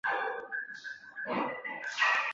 羽带车站根室本线的铁路车站。